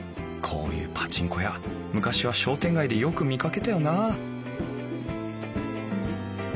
こういうパチンコ屋昔は商店街でよく見かけたよなあ